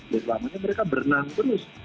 selamanya mereka berenang terus